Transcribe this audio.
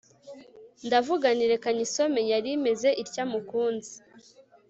ndavuga nti reka nyisome yarimeze itya mukunzi